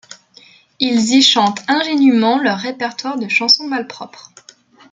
Ils y chantent ingénument leur répertoire de chansons malpropres.